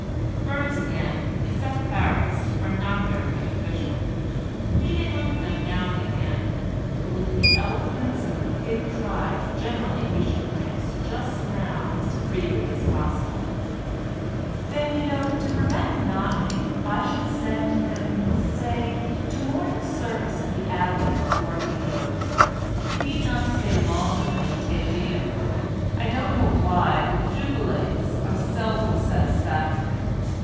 Birds again, except parrots, are not very beneficial; he may look at them now and again, but with the elephants and the pig tribe generally he should mix just now as freely as possible. "Then, you know, to prevent monotony I should send him, say, to morning service at the Abbey before he goes. He need not stay longer than the Te Deum. I don't know why, but Jubilates are seldom satisfactory.